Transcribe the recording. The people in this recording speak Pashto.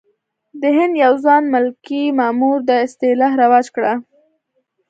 د هند یو ځوان ملکي مامور دا اصطلاح رواج کړه.